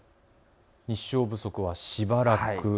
日照不足はしばらく。